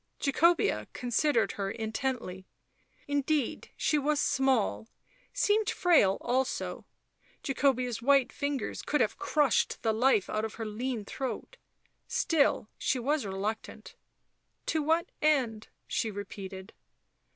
Jacobea considered her intently; indeed she was small, seemed frail also; Jacobea's white fingers could have crushed the life out of her lean throat. Still she was reluctant. " To what end ?" she repeated.